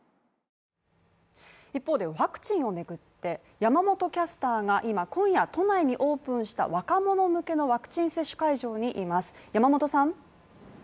一方でワクチンを巡って山本キャスターが今、今夜、都内にオープンした若者向けのワクチン接種会場にいます。